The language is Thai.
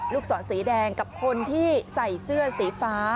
ศรสีแดงกับคนที่ใส่เสื้อสีฟ้า